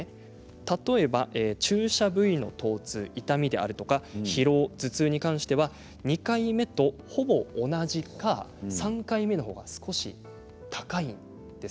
例えば注射部位の痛みや疲労、頭痛に関しては２回目とほぼ同じか３回目のほうが少し高いんです。